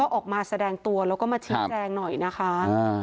ออกมาแสดงตัวแล้วก็มาชี้แจงหน่อยนะคะ